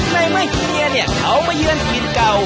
ในไม่เหยียเนี่ยเขาไม่เยือนอินเก่า